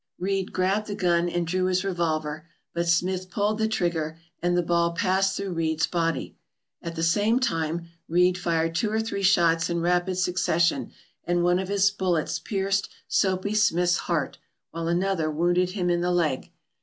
Reid grabbed the gun and drew his revolver, but Smith pulled the trigger and the ball passed through Reid's body. At the same time Reid fired two or three shots in rapid succession, and one of his bullets pierced Soapy Smith's heart, while another 102 SKAGWAY, THE GATE TO THE KLONDIKE wounded him in the leg.